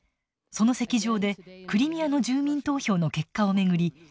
その席上でクリミアの住民投票の結果を巡り